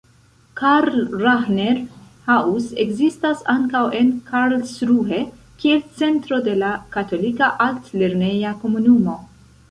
Karl-Rahner-Haus ekzistas ankaŭ en Karlsruhe kiel centro de la Katolika Alt-lerneja Komunumo.